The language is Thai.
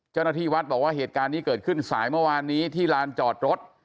เจ้าหน้าที่วัดบอกว่าเหตุการณ์นี้เกิดขึ้นสายเมื่อวานนี้ที่ลานจอดรถ